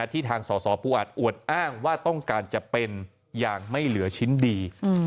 ที่ทางสสปูอัดอวดอ้างว่าต้องการจะเป็นอย่างไม่เหลือชิ้นดี